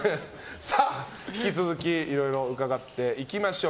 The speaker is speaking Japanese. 引き続きいろいろ伺っていきましょう。